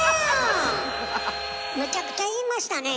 むちゃくちゃ言いましたねえ